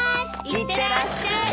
いってらっしゃい。